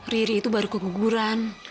riri itu baru keguguran